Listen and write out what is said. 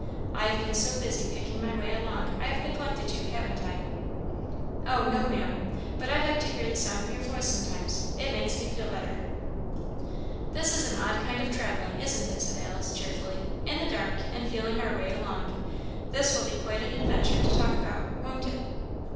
"I have been so busy picking my way along, I have neglected you, haven't I?" "Oh, no, Maam. But I like to hear the sound of your voice sometimes; it makes me feel better." "This is an odd kind of travelling, isn't it?" said Alice, cheerfully; "in the dark, and feeling our way along? This will be quite an adventure to talk about, won't it?"